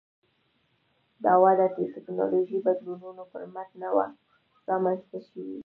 دا وده د ټکنالوژیکي بدلونونو پر مټ نه وه رامنځته شوې